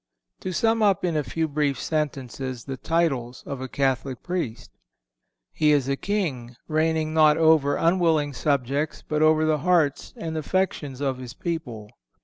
To sum up in a few brief sentences the titles of a Catholic Priest: He is a king, reigning not over unwilling subjects, but over the hearts and affections of his people.